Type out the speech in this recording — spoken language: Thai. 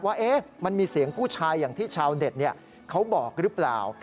ว่ามันมีเสียงผู้ชายอย่างที่ชาวเน็ตเขาบอกหรือเปล่า